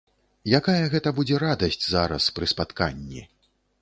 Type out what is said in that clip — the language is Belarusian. Якая гэта будзе радасць зараз пры спатканні!